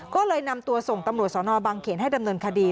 ก็เลยนำตัวส่งตำรวจสนบางเขนให้ดำเนินคดี